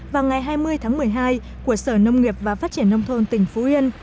vào ngày hai mươi tháng một mươi hai của sở nông nghiệp và phát triển nông thôn tỉnh phú yên